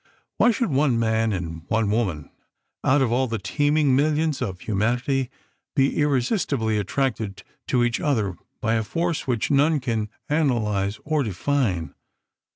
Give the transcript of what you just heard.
Why should one man and one woman, out of all the teeming millions of humanity, be irresistibly attracted to each other by a force which none can analyse or define?